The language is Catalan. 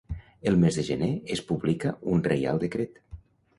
El mes de gener es publica un reial decret.